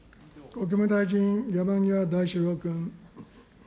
国務大臣、山際大志郎君。